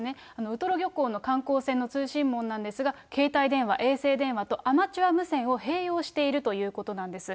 ウトロ漁港の観光船の通信網なんですが、携帯電話、衛星電話とアマチュア無線を併用しているということなんです。